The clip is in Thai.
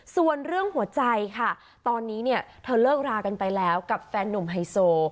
ส่วนเรื่องหัวใจค่ะตอนนี้เนี่ยเธอเลิกรากันไปแล้วกับแฟนหนุ่มไฮโซ